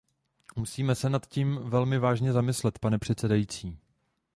Musíme se nad tím velmi vážně zamyslet, pane předsedající.